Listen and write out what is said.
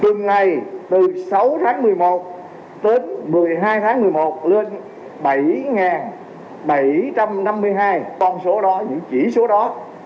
tuần này từ sáu tháng một mươi một đến một mươi hai tháng một mươi một lên bảy bảy trăm năm mươi hai con số đó những chỉ số đó